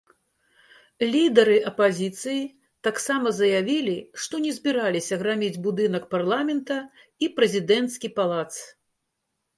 Лідары апазіцыі таксама заявілі, што не збіраліся граміць будынак парламента і прэзідэнцкі палац.